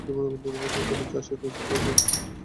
রবির চার্জশীট প্রস্তুত হয়েছে?